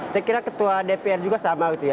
saya kira ketua dpr juga sama gitu ya